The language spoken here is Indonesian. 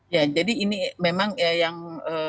ya jadi ini memang yang kami juga